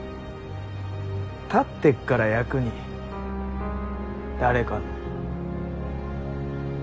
立ってっから役に誰かの。